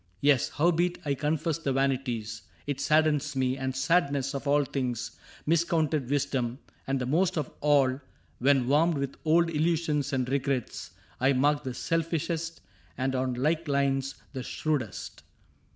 Yes, Howbeit I confess the vanities. It saddens me s — and sadness, of all things Miscounted wisdom, and the most of all When warmed with old illusions and regrets, I mark the selfishest, and on like lines The shrewdest.